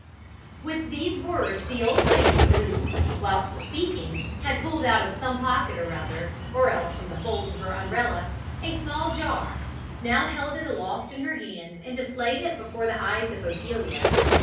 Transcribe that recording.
With these words the old lady, who, whilst speaking, had pulled out of some pocket or other, or else from the folds of her umbrella, a small jar, now held it aloft in her hand and displayed it before the eyes of Ophelia.